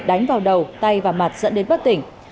đánh vào đầu tay và mặt dẫn đến bất tỉnh